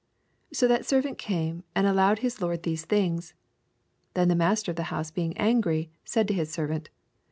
21 So tbat servant came, and showed his lord these things. Then the master of the bouse bemg angrv, said to his servant.